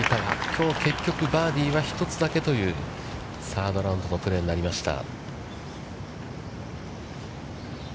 きょう、結局、バーディーは１つだけというサードラウンドのプレーになりました。